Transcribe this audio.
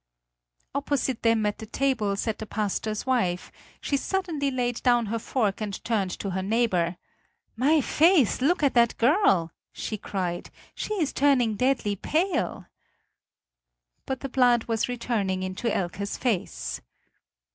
Opposite them at the table sat the pastor's wife; she suddenly laid down her fork and turned to her neighbor: "My faith, look at that girl!" she cried; "she is turning deadly pale!" But the blood was returning into Elke's face.